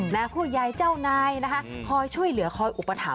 ผู้ใหญ่เจ้านายนะคะคอยช่วยเหลือคอยอุปถัม